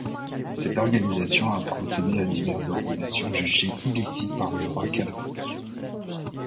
Cette organisation a procédé à diverses ordinations jugées illicites par le droit canonique.